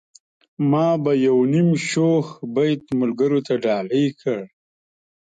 ما به يو نيم شوخ بيت ملګرو ته ډالۍ کړ.